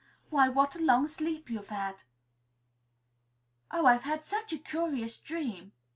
"Why, what a long sleep you've had!" "Oh, I've had such a curious dream!"